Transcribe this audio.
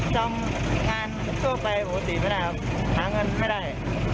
ทำงานทั่วไปปกติไม่ได้ครับหาเงินไม่ได้